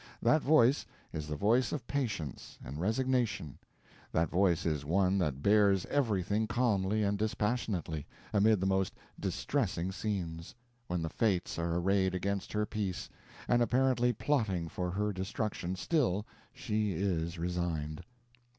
That voice is the voice of patience and resignation; that voice is one that bears everything calmly and dispassionately, amid the most distressing scenes; when the fates are arrayed against her peace, and apparently plotting for her destruction, still she is resigned.